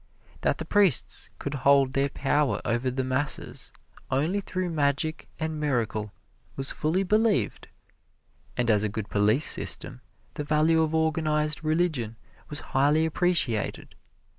That the priests could hold their power over the masses only through magic and miracle was fully believed, and as a good police system the value of organized religion was highly appreciated.